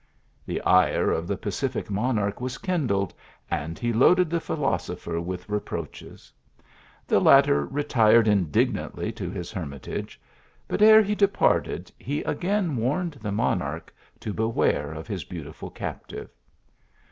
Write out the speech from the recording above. The ire of the pacific monarch was kindled, and he loaded the philosopher with reproaches. The latter retired indignantly to his hermitage ; but ere he departed, he again warned the monarch to be ware of his beautiful captive.